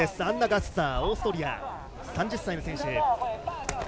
アンナ・ガッサー、オーストリア３０歳の選手。